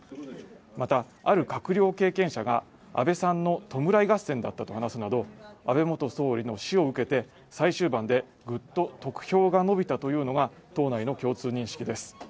またある閣僚経験者が安倍さんの弔い合戦だったと話すなど安倍元総理の死を受けて最終盤でぐっと得票が伸びたというのが党内の共通認識です